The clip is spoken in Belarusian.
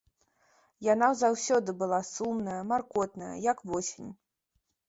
Яна заўсёды была сумная, маркотная, як восень.